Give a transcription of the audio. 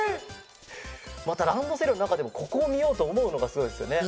またランドセルのなかでもここを見ようと思うのがすごいですよね。